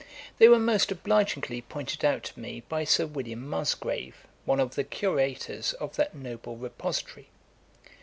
They were most obligingly pointed out to me by Sir William Musgrave, one of the Curators of that noble repository.